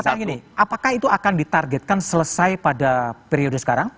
misalnya gini apakah itu akan ditargetkan selesai pada periode sekarang